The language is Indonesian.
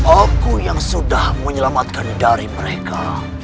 aku yang sudah menyelamatkan dari mereka